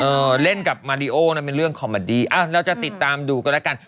เล่นกับมาริโอนั้นเป็นเรื่องคอมมาดีอ้าวเราจะติดตามดูกันแล้วกัน